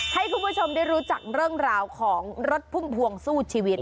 ให้คุณผู้ชมได้รู้จักเรื่องราวของรถพุ่มพวงสู้ชีวิต